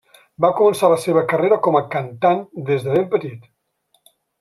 Va començar la seva carrera com a cantant des de ben petit.